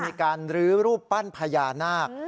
มีการลื้อรูปปั้นพญานาค